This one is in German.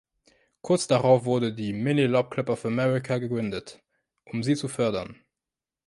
Kurz darauf wurde der Mini Lop Club of America gegründet, um sie zu fördern.